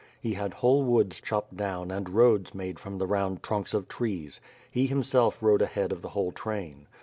He had whole woods chopped down and roads made from the round trunks of trees; he himself rode ahead of the whole train.